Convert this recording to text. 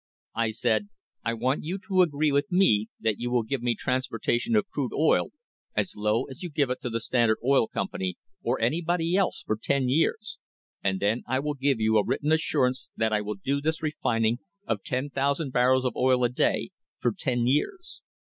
I said; 'I want you to agree with me that you will give me transportation of crude oil as low as you give it to the Standard Oil Company or anybody else for ten years, and then I will give you a written assurance that I will do this refining of 10,000 barrels of oil a day for ten years.'